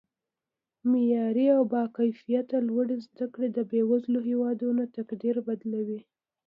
معیاري او با کیفته لوړې زده کړې د بیوزله هیوادونو تقدیر بدلوي